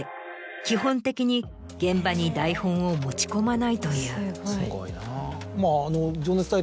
基本的に現場に台本を持ち込まないという。